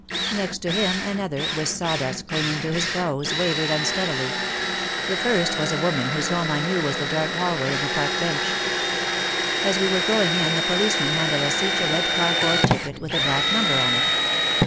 Next to him another, with saw dust clinging to his clothes, wavered unsteadily. The first was a woman whose home I knew was the dark hall way and the park bench. As we were going in the policeman handed us each a red cardboard ticket with a black number on it.